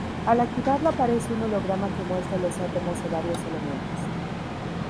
Al activarlo aparece un holograma que muestra los átomos de varios elementos.